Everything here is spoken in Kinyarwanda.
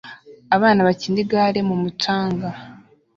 Abana bakina igare mumucanga